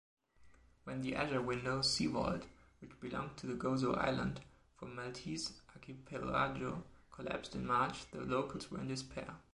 When the Azure window sea vault, which belonged to the Gozo island, from Maltese archipelago, collapsed in March, the locals were in despair.